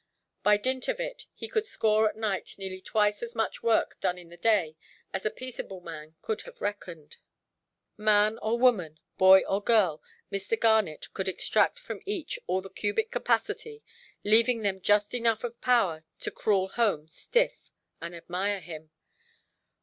By dint of it, he could score at night nearly twice as much work done in the day as a peaceable man could have reckoned. Man or woman, boy or girl, Mr. Garnet could extract from each all the cubic capacity, leaving them just enough of power to crawl home stiff, and admire him.